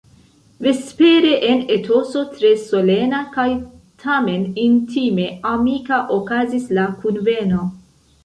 Vespere en etoso tre solena kaj tamen intime amika okazis la kunveno.